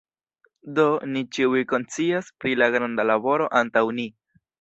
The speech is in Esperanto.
Do, ni ĉiuj konscias pri la granda laboro antaŭ ni.